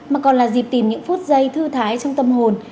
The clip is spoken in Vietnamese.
mà còn là dịp tìm những phút giây thư thái trong tâm hồn